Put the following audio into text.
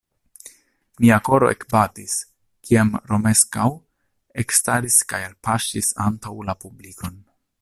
Mia koro ekbatis, kiam Romeskaŭ ekstaris kaj alpaŝis antaŭ la publikon.